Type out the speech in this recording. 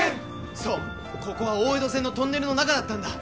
そうここは大江戸線のトンネルの中だったんだ。